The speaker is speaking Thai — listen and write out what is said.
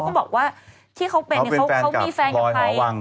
เขาบอกว่าที่เขาเป็นเขามีแฟนกับใคร